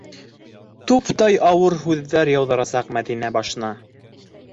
Туптай ауыр һүҙҙәр яуҙырасаҡ Мәҙинә башына!